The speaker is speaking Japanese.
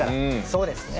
そうですね。